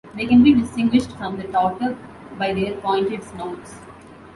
They can be distinguished from the tautog by their pointed snouts.